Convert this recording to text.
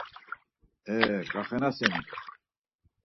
E gaxenaseni?